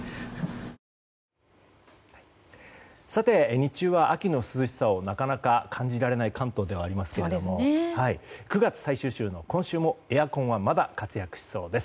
日中は秋の涼しさをなかなか感じられない関東ではありますが９月最終週の今週もエアコンはまだ活躍しそうです。